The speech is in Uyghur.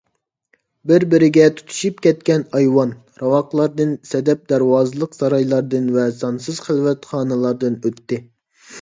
بىر - بىرىگە تۇتىشىپ كەتكەن ئايۋان، راۋاقلاردىن، سەدەب دەرۋازىلىق سارايلاردىن ۋە سانسىز خىلۋەت خانىلاردىن ئۆتتى.